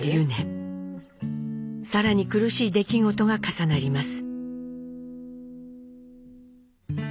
更に苦しい出来事が重なります。